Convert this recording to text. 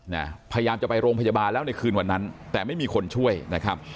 นะพยายามจะไปโรงพยาบาลแล้วในคืนวันนั้นแต่ไม่มีคนช่วยนะครับ